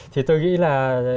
thì tôi nghĩ là